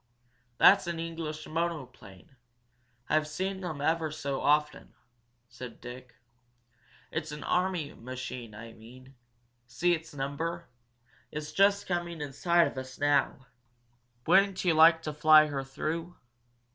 "That's an English monoplane. I've seen them ever so often," said Dick. "It's an army machine, I mean. See it's number? It's just coming in sight of us now. Wouldn't you like to fly her though?"